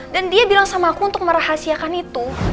dan dia bilang sama aku untuk merahasiakan itu